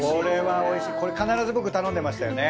これ必ず僕頼んでましたよね。